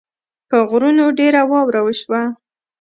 په غرونو ډېره واوره وشوه